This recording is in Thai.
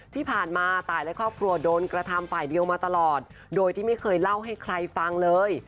ที่ผ่านมาตายและครอบครัวโดนกระทำฝ่ายเดียวมาตลอดโดยที่ไม่เคยเล่าให้ใครฟังเลย